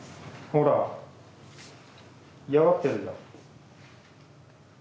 ほら嫌がってるじゃん。